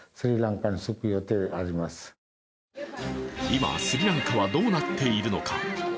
今、スリランカはどうなっているのか。